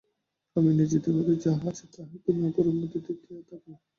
তোমার নিজের মধ্যে যাহা আছে, তাহাই তুমি অপরের মধ্যে দেখিয়া থাক।